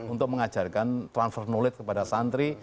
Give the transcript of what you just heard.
untuk mengajarkan transfer knowledge kepada santri